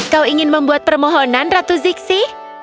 kau ingin membuat permohonan ratu ziksi